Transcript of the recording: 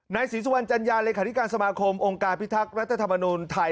ศรีสุวรรณจัญญาเลขาธิการสมาคมองค์การพิทักษ์รัฐธรรมนุนไทย